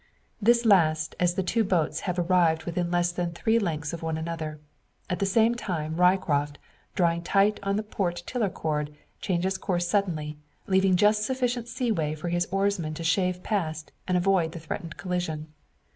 This last, as the two boats have arrived within less than three lengths of one another. At the same time Ryecroft, drawing tight the port tiller cord, changes course suddenly, leaving just sufficient sea way for his oarsman to shave past, and avoid the threatened collision.